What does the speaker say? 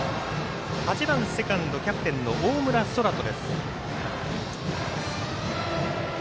８番セカンドキャプテンの大村昊澄。